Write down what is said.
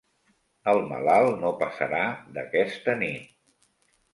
El malalt no passarà d'aquesta nit.